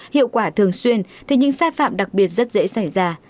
hiệu quả thường xuyên thì những sai phạm đặc biệt rất dễ xảy ra